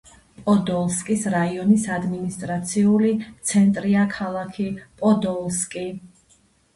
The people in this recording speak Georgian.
პოდოლსკის რაიონის ადმინისტრაციული ცენტრია ქალაქი პოდოლსკი.